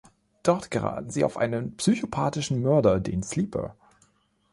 Dort geraten sie auf einen psychopathischen Mörder, den „Sleeper“.